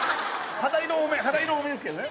肌色多め肌色多めですけどね。